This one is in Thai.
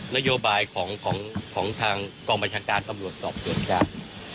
นโยบายของทางกองประชังการตำรวจสอบโดยการ